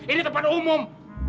ini tempat umum